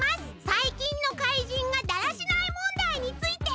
「さいきんの怪人がだらしない問題について」！